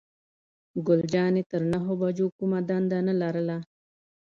ګل جانې تر نهو بجو کومه دنده نه لرله.